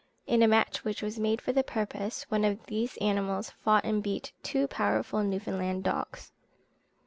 In a match which was made for the purpose, one of these animals fought and beat two powerful Newfoundland dogs.